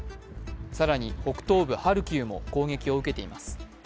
更に北東部ハルキウも攻撃を受けています。